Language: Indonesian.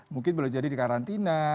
mungkin boleh jadi di karantina